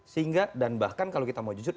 sehingga dan bahkan kalau kita mau jujur